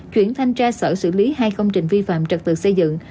chuyển thanh tra sở xử lý hai công trình vi phạm trật tự xây dựng